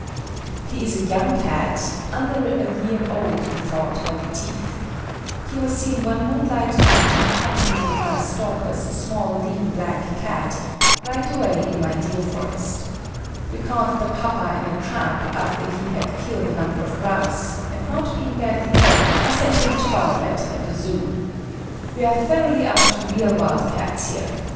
"He is a young Cat (under a year old, we thought, by the teeth). He was seen one moonlight night in company with my 'stalker's' small lean black Cat, right away in my deer forest. We caught the papa in a trap after he had killed a number of grouse, and not being badly hurt, I sent him to Bartlett at the Zoo. We are thoroughly up to real wild Cats here.